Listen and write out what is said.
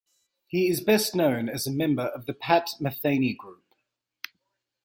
He is best known as a member of the Pat Metheny Group.